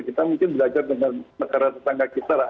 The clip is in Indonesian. kita mungkin belajar dengan negara tetangga kita lah